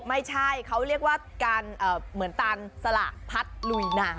ไม่ใช่เขาเรียกว่าการเหมือนตาลสละพัดลุยหนา